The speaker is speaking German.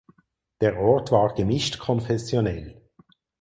Der Ort war gemischt konfessionell.